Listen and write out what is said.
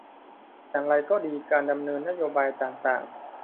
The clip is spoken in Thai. อย่างไรก็ดีการดำเนินนโยบายต่างต่าง